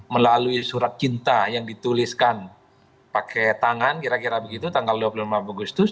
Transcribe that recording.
melalui surat cinta yang dituliskan pakai tangan kira kira begitu tanggal dua puluh lima agustus